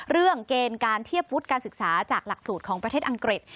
เกณฑ์การเทียบวุฒิการศึกษาจากหลักสูตรของประเทศอังกฤษ